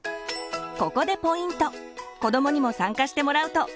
ここでポイント。